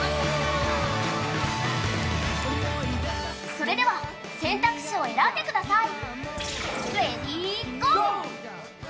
それでは選択肢を選んでください、レディーゴー！